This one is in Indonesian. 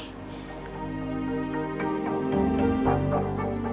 masalah ini udah sangat bikin mama sedih